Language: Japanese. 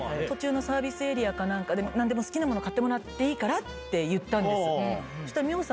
途中のサービスエリアかなんかで、なんでも好きなもの買ってもらっていいからって、言ったんです。